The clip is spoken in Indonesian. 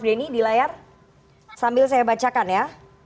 denny di layar sambil saya bacakan ya